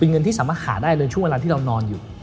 เงินที่สามารถหาได้เลยช่วงเวลาที่เรานอนอยู่